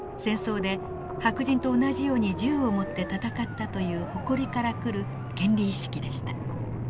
戦争で白人と同じように銃を持って戦ったという誇りからくる権利意識でした。